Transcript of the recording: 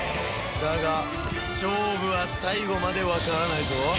だが勝負は最後までわからないぞ。